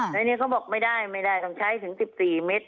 แล้วนี้เขาบอกไม่ได้ต้องใช้ถึง๑๔เม็ด